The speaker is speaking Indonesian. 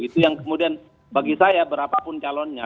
itu yang kemudian bagi saya berapapun calonnya